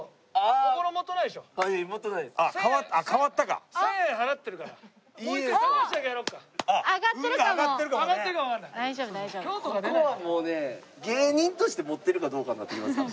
ここはもうね芸人として持ってるかどうかになってきますから。